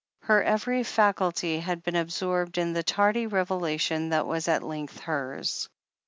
Her every faculty had been absorbed in the tardy revelation that was at length hers.